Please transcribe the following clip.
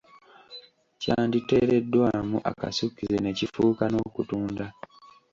Kyanditeereddwamu akasukkize ne kifuuka n’okutunda.